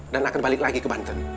dan akan balik lagi ke banten